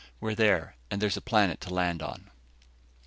We're there, and there's a planet to land on."